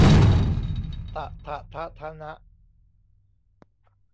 ตะถะทะธะนะ